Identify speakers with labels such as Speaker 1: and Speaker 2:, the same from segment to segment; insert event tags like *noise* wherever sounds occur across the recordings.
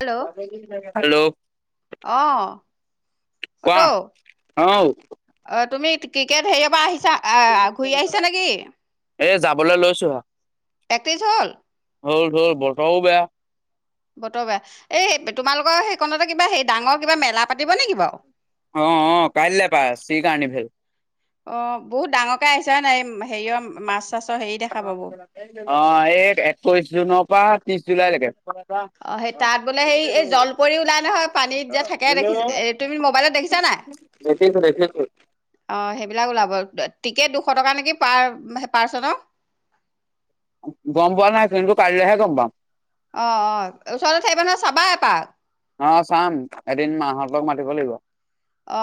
Speaker 1: Hello
Speaker 2: hello
Speaker 1: অঁ
Speaker 2: কোৱা
Speaker 1: auto
Speaker 2: আহ
Speaker 1: অ তুমি ক্ৰিকেট হেয়ৰ পৰা আহিছে আহ ঘূৰি আহিছা নেকি
Speaker 2: এ যাবলৈ লৈছো হ।
Speaker 1: এক তে্ৰিছ হল *unintelligible*
Speaker 2: হল ঢল বৰ্তও বেয়া
Speaker 1: বতৰ বেয়া এই তোমালোকৰ সেইকণতে কিবা হে ডাঙৰ কিবা মেলা পাতিব নেকি বাৰু
Speaker 2: অ অ কাইলৈ পা সি কাৰণী ভেল
Speaker 1: অ বহুত ডাঙৰকে আহিছে হয় নাই এই হেৰিঅৰ মাছ চাছৰ হেৰি দেখা পাব
Speaker 2: অ এই একৈশ জুনক পাহত্ৰিশ জুলাইলৈকে
Speaker 1: অ সেই তাত বোলে সেই এই জল পৰি ওলাই নহয় পানীত যে থাকে দেখি তুমি মোবাইলত দেখিছা নাই
Speaker 2: দেখিছো দেখিছো
Speaker 1: অ সেইবিলাক ওলাব টিকেট দুশ টকা নেকি পাৰ পাৰ্চনৰ
Speaker 2: গম পোৱা নাই কিন্তু কাইলৈ হে গম্ পাম
Speaker 1: অ অ ওচতে থাকিবা নহয় চাবা এপাক
Speaker 2: অ চাম এদিন মাহঁতক মাতিব লাগিব
Speaker 1: অ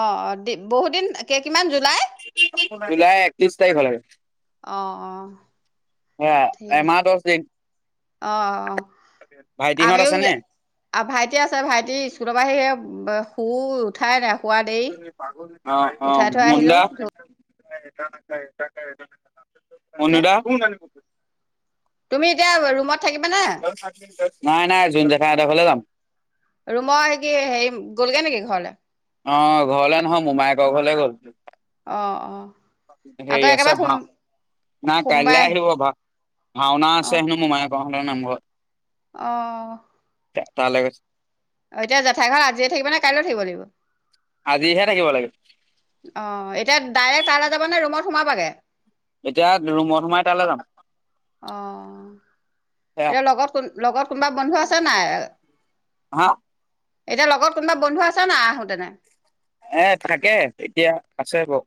Speaker 1: বহুত দিন কেই কিমান জুলা
Speaker 2: জুলাই একত্ৰিশ তাৰিখলৈকে।
Speaker 1: অ', অ',
Speaker 2: সেয়া
Speaker 1: ঠিক আছে,
Speaker 2: এমাহ দহ দিন
Speaker 1: অ', অ',
Speaker 2: ভাইটিহঁত
Speaker 1: আমিও
Speaker 2: আছে নে
Speaker 1: ভাইটি আছে ভাইটি স্কুলৰ পৰা আহি হে শুই উঠাই নাই শুৱা দেৰি
Speaker 2: অ অ
Speaker 1: উঠাই থৈ আহিলো
Speaker 2: মুন্দা।
Speaker 1: এতিয়া
Speaker 2: তান *unintelligible*
Speaker 1: তুমি এতিয়া ৰুমত থাকিবানে,,
Speaker 2: নাই নাই জোন জেঠাই হঁতৰ ঘৰলে যাম
Speaker 1: ৰুমৰ সে কি হেৰি গ'লগে নেকি ঘৰলে
Speaker 2: অ ঘৰলে নহয় মোমায়েকৰ ঘৰলে গ'ল।
Speaker 1: অ অ
Speaker 2: হ
Speaker 1: আকৌ
Speaker 2: আ
Speaker 1: একেবাৰে সোম
Speaker 2: ভা না কাললে আহিব ভাওনা আছে হেনো মোমাই প নম *unintelligible*
Speaker 1: আহ।
Speaker 2: তালৈ গৈছে
Speaker 1: অ এতিয়া জেঠাই ঘৰত আজিয়ে থাকিব নে কাইলৈ থাকিব লাগিব
Speaker 2: আজিহে থাকিব লাগে।
Speaker 1: অ এতিয়া ডাইৰেক্ট তালৈ যাব নে ৰুমত সোমাবাগে
Speaker 2: এতিয়া ৰুমত সোমাই তালৈ যাম
Speaker 1: অহ
Speaker 2: সেয়া
Speaker 1: এতিয়া লগত কোন লগত কোনোবা বন্ধু আছে নাই
Speaker 2: হা
Speaker 1: এতিয়া লগত কোনোবা বন্ধু আছে না আহোতেনে।
Speaker 2: এ থাকে এতিয়া আছে বৌ।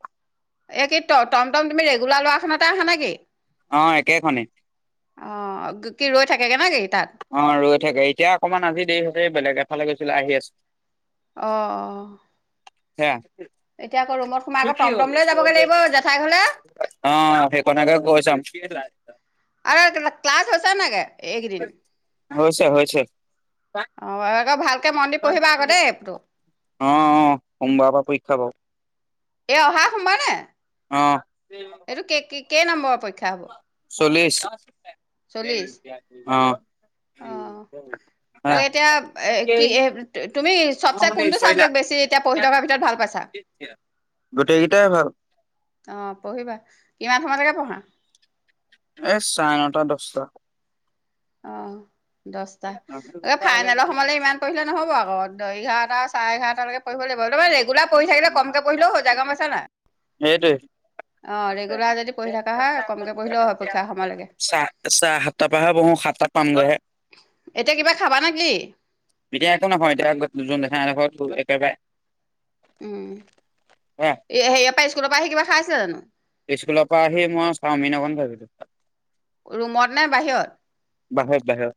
Speaker 1: এ কি টম টম তুমি ৰেগুলাৰ ল'ৰাখনতে আহা নেকি
Speaker 2: অ একেখনে
Speaker 1: অ কি ৰৈ থাকেগে ন গেই
Speaker 2: অ ৰৈ থাকে এতিয়া অকমান আজি দেৰি হঁতে বেলেগ এ ভালে গৈছিলে আহি আছে
Speaker 1: আহ আহ
Speaker 2: হে কি কিহ'ল
Speaker 1: টমটম লৈ যাবগৈ লাগিব জেঠাই ঘৰলে
Speaker 2: অ সেইখনকে কৈ চাম। *unintelligible*
Speaker 1: আ ক্লাছ হৈছেনে ছাগে। এইদিন।
Speaker 2: হয় ছ হয় হৈছে
Speaker 1: অহ আকৌ ভাল
Speaker 2: অম বাবা পক্ষ খাব
Speaker 1: এ অহা সোমব নে এইটো কে কেই নম্বৰৰ পৰীক্ষা হব
Speaker 2: চল্লিছ।
Speaker 1: চল্লিছ অ তাকে এতিয়া কি
Speaker 2: *inaudible*
Speaker 1: তুমি সবচে কোনটো চাবজেক্ট বেছি এতিয়া পঢ়ি থকাৰ ভিতৰত ভাল পাইছা।
Speaker 2: গোটেইকেইটাই ভাল
Speaker 1: অ পঢ়িবা কিমান সময়লৈকে পঢ়া।
Speaker 2: এ চাৰে নটা দচটা
Speaker 1: আহ দহটা, ফাইনেলৰ সময়লৈ
Speaker 2: সেইটোৱে
Speaker 1: ইমান পঢ়িলে নহ'ব আ অ দ এঘাৰটা চাৰে এঘাৰটাটালৈকে পৰিঢ়িব লাগিব। তাৰমানে ৰেগুলাৰ পঢ়ি
Speaker 2: সেইটোৱে
Speaker 1: থাকিলে কমকে পঢ়িলেও হৈ যায় গম
Speaker 2: চাহ
Speaker 1: পাইছা নাই?
Speaker 2: চাহ সাতটা
Speaker 1: অ' ৰেগুলাৰ যদি পঢ়ি থকা
Speaker 2: পৰাহে
Speaker 1: হয় কমকে পঢ়িলেও হয়
Speaker 2: বহো
Speaker 1: পৰীক্ষাৰ সময়লৈকে।
Speaker 2: সাতটা পাম গৈহে।
Speaker 1: এতিয়া কিবা খাবা নেকি?
Speaker 2: এতিয়া একো নহয় এতিয়া যোন দেখা এডখৰ একেবাৰে
Speaker 1: উম
Speaker 2: হা
Speaker 1: হেৰিয়াৰ পৰা স্কুলৰ পৰা আহি কিবা খাইছিলা জানো।
Speaker 2: স্কুলৰ পৰা আহি মই চাওঁমিন অকন ভাবিলো ।
Speaker 1: ৰুমত নাই বাহিৰত
Speaker 2: বাহে', বাহে।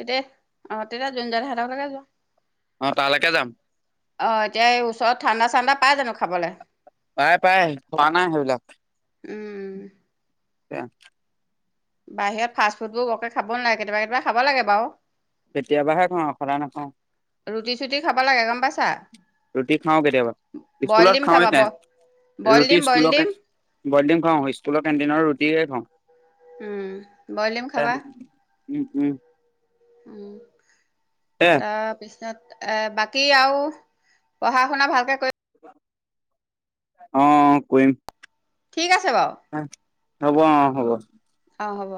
Speaker 1: এতিয়া অ তেতিয়া জোন য সাতকলৈকে যোৱা
Speaker 2: অ' তালৈকে যাম।
Speaker 1: অ এতিয়া এই ওচৰত ঠাণ্ডা ঠাণ্ডা পাই জানো খাবলৈ
Speaker 2: পাই পাই খোৱা নাই সেইবিলাক
Speaker 1: উম
Speaker 2: এ!
Speaker 1: বাহিৰত ফাষ্ট ফুডবোৰ বৰকে খাব নালাগে। কেতিয়াবা কেতিয়াবা খাব লাগে বাৰু।
Speaker 2: কেতিয়াবাহে খাওঁ, সদায় নখাওঁ।
Speaker 1: ৰুটি চুটি খাব লাগে গম পাইছা
Speaker 2: ৰুটি খাওঁ কেতিয়াবা
Speaker 1: বইল
Speaker 2: ।স্কুলত
Speaker 1: ডিম খাবা ব
Speaker 2: খাওঁৱে,
Speaker 1: বইল
Speaker 2: ৰুটি
Speaker 1: ডিম বইল
Speaker 2: স্কুলৰ
Speaker 1: ডিম
Speaker 2: বইড খাওঁ স্কুলৰ কেণ্টিনত ৰুটিয়ে খাওঁ। *unintelligible*
Speaker 1: উম বইলিম খাবা
Speaker 2: উম! উম!
Speaker 1: উম
Speaker 2: এ
Speaker 1: তাৰপিছত এ বাকী আৰু পঢ়া শুনা ভালকে কৰি
Speaker 2: অ অ কৰিম
Speaker 1: ঠিক আছে বাৰু
Speaker 2: হ'ব! অ' হ'ব!
Speaker 1: অ হ'ব